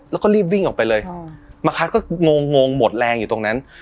แล้วก็รีบวิ่งออกไปเลยบางครั้งก็งงงหมดแรงอยู่ตรงนั้น